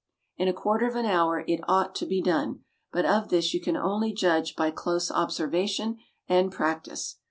In a quarter of an hour it ought to be done, but of this you can only judge by close observation and practice.